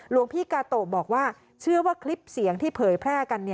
หลวงพี่กาโตะบอกว่าเชื่อว่าคลิปเสียงที่เผยแพร่กัน